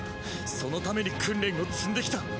そのために訓練を積んできた。